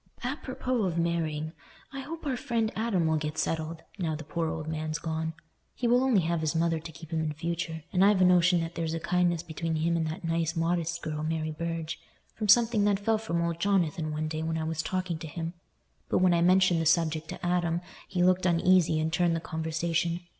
Apropos of marrying, I hope our friend Adam will get settled, now the poor old man's gone. He will only have his mother to keep in future, and I've a notion that there's a kindness between him and that nice modest girl, Mary Burge, from something that fell from old Jonathan one day when I was talking to him. But when I mentioned the subject to Adam he looked uneasy and turned the conversation.